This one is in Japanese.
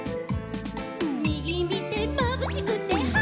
「みぎみてまぶしくてはっ」